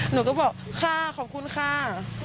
หนูก็บอกค่ะขอบคุณค่ะ